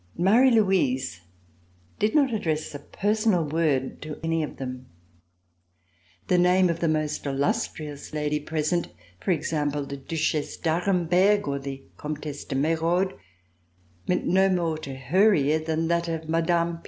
Marie Louise did not address a personal word to any of them. The name of the most illustrious lady present, for example the Duchesse d'Arenberg, or the Comtesse de Merode, meant no more to her ear than that of Mme.